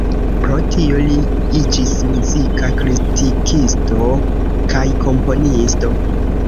Pro tio li iĝis muzika kritikisto kaj komponisto.